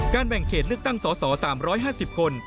แบ่งเขตเลือกตั้งสส๓๕๐คน